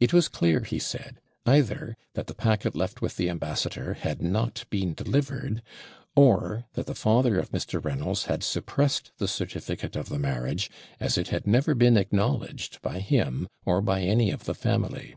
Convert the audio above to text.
It was clear, he said, either that the packet left with the ambassador had not been delivered, or that the father of Mr. Reynolds had suppressed the certificate of the marriage, as it had never been acknowledged by him or by any of the family.